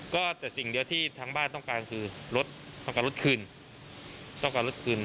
ก็แต่สิ่งเดียวที่ทั้งบ้านต้องการคือรถต้องการรถคืน